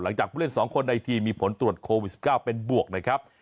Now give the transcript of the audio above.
หลังจากผู้เล่น๒คนในทีมมีผลตรวจโควิด๑๙เป็นบวกนะครับ